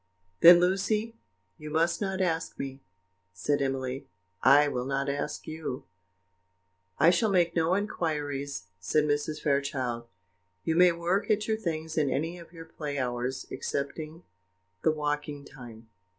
"Then, Lucy, you must not ask me," said Emily; "I will not ask you." "I shall make no inquiries," said Mrs. Fairchild; "you may work at your things in any of your play hours excepting the walking time.